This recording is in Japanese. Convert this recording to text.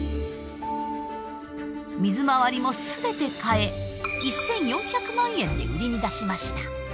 水回りも全て変え１，４００万円で売りに出しました。